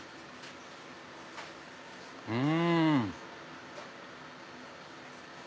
うん！